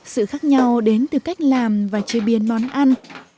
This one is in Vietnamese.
sự khác nhau đến từ cách làm và chế biến món ăn